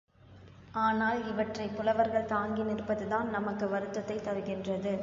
ஆனால் இவற்றைப் புலவர்கள் தாங்கி நிற்பதுதான் நமக்கு வருத்தத்தைத் தருகின்றது.